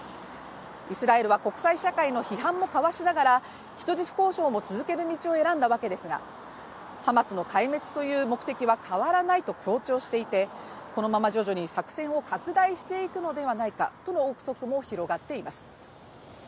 イスラエルは国際社会の批判もかわしながら人質交渉も続ける道を選んだわけですがハマスの壊滅という目的は変わらないと強調していて、このまま徐々に作戦を拡大していくのではないかとの臆測も広がっています。